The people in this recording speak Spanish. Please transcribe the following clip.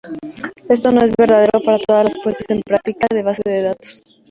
Esto no es verdadero para todas las puestas en práctica de base de datos.